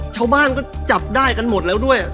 ชาวบ้านก็จับได้กันหมดแล้วด้วย